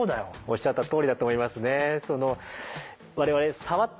おっしゃったとおりだと思いますね。